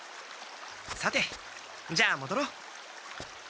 さてじゃあもどろう。